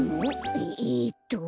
ええっと。